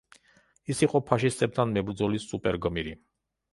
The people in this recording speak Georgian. ის იყო ფაშისტებთან მებრძოლი სუპერგმირი.